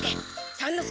三之助！